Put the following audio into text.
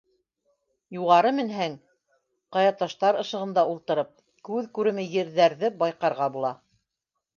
Юғары менһәң, ҡая таштар ышығында ултырып, күҙ күреме ерҙәрҙе байҡарға була.